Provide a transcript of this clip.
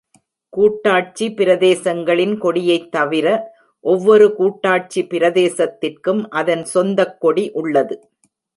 கூட்டாட்சி பிரதேசங்களின் கொடியைத் தவிர, ஒவ்வொரு கூட்டாட்சி பிரதேசத்திற்கும் அதன் சொந்தக் கொடி உள்ளது.